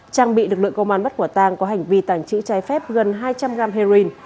trang bị lực lượng công an bắt quả tang có hành vi tàng trữ trái phép gần hai trăm linh gram heroin